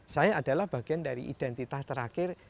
saya adalah bagian dari identitas terakhir